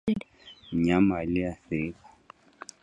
Mnyama aliyeathirika